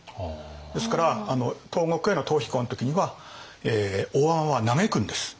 ですから東国への逃避行の時には大海人は嘆くんです。